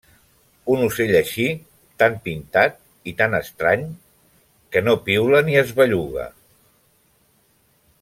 -Un ocell així, tan pintat i tan estrany, que no piula ni es belluga…